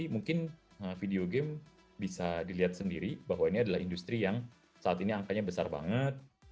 mungkin video game bisa dilihat sendiri bahwa ini adalah industri yang saat ini angkanya besar banget